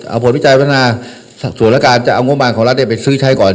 เอาผลวิจัยพัฒนาส่วนและการจะเอางบางของรัฐเนี้ยไปซื้อใช้ก่อน